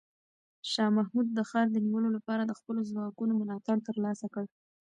شاه محمود د ښار د نیولو لپاره د خپلو ځواکونو ملاتړ ترلاسه کړ.